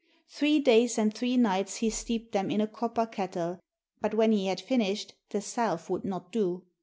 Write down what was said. Three days and three nights he steeped them in a copper kettle, but when he had finished the salve would not do.